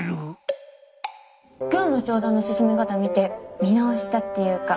今日の商談の進め方見て見直したっていうか。